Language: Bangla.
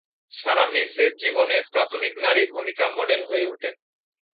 সারা মেইসের জীবনে প্রাথমিক নারী ভূমিকা মডেল হয়ে ওঠেন।